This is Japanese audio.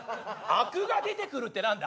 アクが出てくるって何だ！